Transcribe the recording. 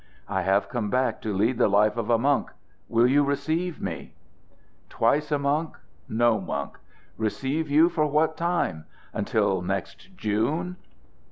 "I have come back to lead the life of a monk. Will you receive me?" "Twice a monk, no monk. Receive you for what time? Until next June?"